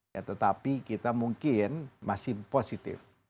ya tetapi kita mungkin masih positif